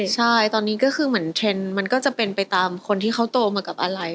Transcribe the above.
ใช่ตอนนี้ก็คือเหมือนเทรนด์มันก็จะเป็นไปตามคนที่เขาโตมากับอะไร